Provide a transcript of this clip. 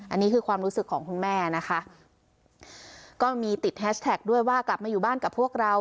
อันนี้คือความรู้สึกของคุณแม่นะคะก็มีติดแฮชแท็กด้วยว่ากลับมาอยู่บ้านกับพวกเรา